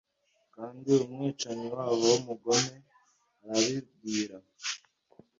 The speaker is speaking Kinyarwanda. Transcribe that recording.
Kandi umwicanyi wabo w'umugome arabibwira